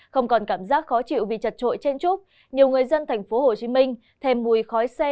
không còn cảm giác khó chịu vì chật trội chen trúc nhiều người dân tp hcm thêm mùi khói xe